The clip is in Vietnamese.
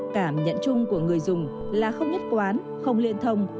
cảm nhận chung của người dùng là không nhất quán không liên thông